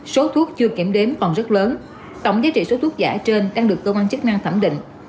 số thuốc chưa kiểm đếm còn rất lớn tổng giá trị số thuốc giả trên đang được cơ quan chức năng thẩm định